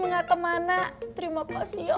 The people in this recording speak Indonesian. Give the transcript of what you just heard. mengatam mana terima kasih allah